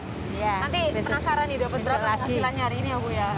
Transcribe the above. nanti penasaran didapet berapa hasilannya hari ini ya bu ya